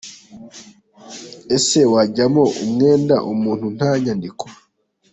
Ese wajyamo umwenda umuntu nta nyandiko?”.